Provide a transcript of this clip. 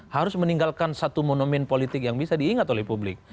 harus meninggalkan satu monumen politik yang bisa diingat oleh publik